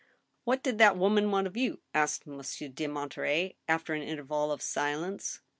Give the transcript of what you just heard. "What did that woman want of you?" asked Monsieur de Monterey, after an interval of silence.